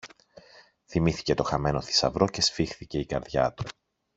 Θυμήθηκε το χαμένο θησαυρό και σφίχθηκε η καρδιά του.